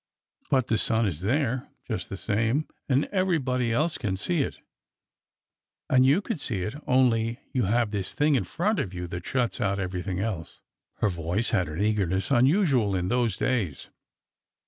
" But the sun is there, just the same, and everybody else can see it ; and you could see it — only you have this thing in front of you that shuts out everything else !" Her voice had an eagerness unusual in those days.